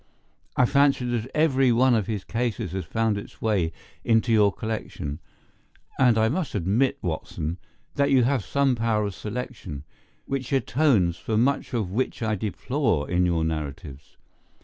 "I fancy that every one of his cases has found its way into your collection, and I must admit, Watson, that you have some power of selection, which atones for much which I deplore in your narratives.